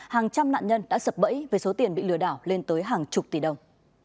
hàng trăm nạn nhân đã sập bẫy với số tiền bị lừa đảo lên tới hàng chục tỷ đồng